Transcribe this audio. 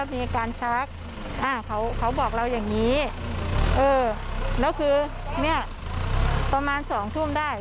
ตกใจมั้ยพี่